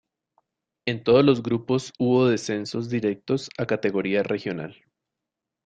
En todos los grupos hubo descensos directos a categoría regional.